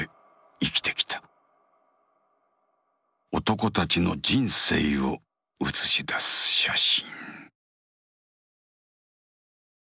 男たちの人生を映し出す写真。